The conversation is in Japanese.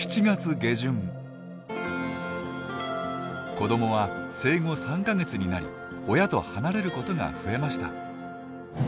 子どもは生後３か月になり親と離れることが増えました。